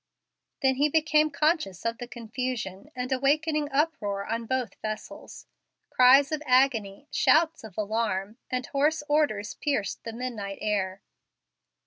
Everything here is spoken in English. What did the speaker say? Then he became conscious of the confusion, and awakening uproar on both vessels. Cries of agony, shouts of alarm, and hoarse orders pierced the midnight air.